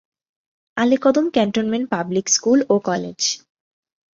Alikadam cantonment public school ও college